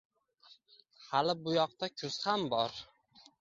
Hali bu yoqda kuz ham bor